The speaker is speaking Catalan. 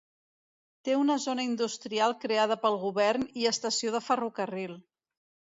Té una zona industrial creada pel govern i estació de ferrocarril.